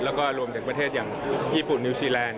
แล้วก็รวมถึงประเทศอย่างญี่ปุ่นนิวซีแลนด